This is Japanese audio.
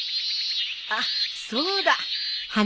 あっそうだ！